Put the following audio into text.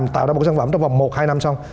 tạo ra một sản phẩm trong vòng một hai năm sau